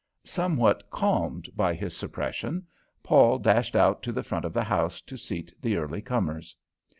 Somewhat calmed by his suppression, Paul dashed out to the front of the house to seat the early comers.